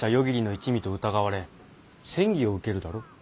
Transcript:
一味と疑われ詮議を受けるだろう？